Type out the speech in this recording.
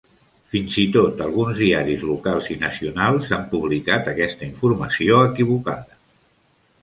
Fins i tot alguns diaris locals i nacionals han publicat aquesta informació equivocada.